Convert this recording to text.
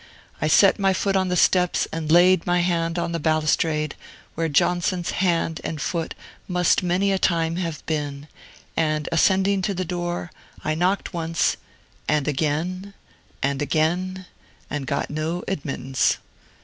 I set my foot on the steps and laid my hand on the balustrade, where Johnson's hand and foot must many a time have been, and ascending to the door, I knocked once, and again, and again, and got no admittance.